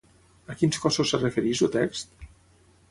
A quins cossos es refereix el text?